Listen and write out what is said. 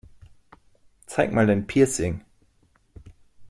Zeig mal dein Piercing!